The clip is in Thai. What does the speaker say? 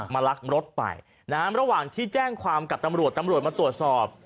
ลักรถไปนะฮะระหว่างที่แจ้งความกับตำรวจตำรวจมาตรวจสอบ